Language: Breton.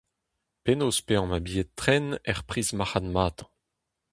Penaos paeañ ma bilhed tren er priz marc'hadmatañ ?